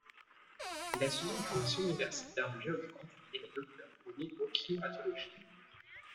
Il a suivi une formation universitaire de géographe et est docteur en hydro-climatologie.